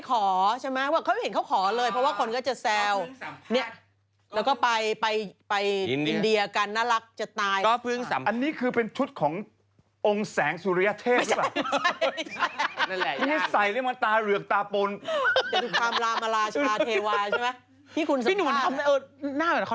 คุณเวทร่อซื้อหนูใช่ไหมค่ะ